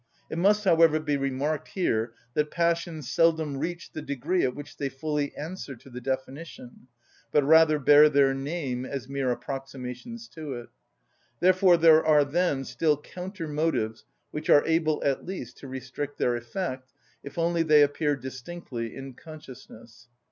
It must, however, be remarked here that passions seldom reach the degree at which they fully answer to the definition, but rather bear their name as mere approximations to it: therefore there are then still counter‐motives which are able at least to restrict their effect, if only they appear distinctly in consciousness.